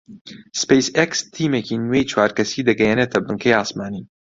سپەیس ئێکس تیمێکی نوێی چوار کەسی دەگەیەنێتە بنکەی ئاسمانی